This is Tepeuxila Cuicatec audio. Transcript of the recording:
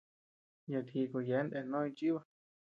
Yat jíku yeabean nde noo jichiba.